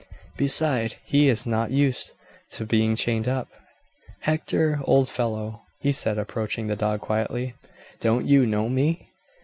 Beside, he is not used to being chained up. Hector, old fellow," he said approaching the dog quietly, "don't you know me?"